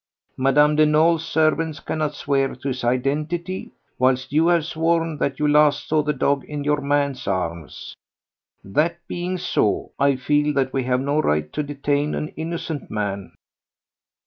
Mme. de Nolé's servants cannot swear to his identity, whilst you have sworn that you last saw the dog in your man's arms. That being so, I feel that we have no right to detain an innocent man."